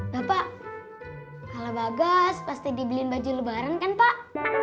bapak kalau bagas pasti dibeliin baju lebaran kan pak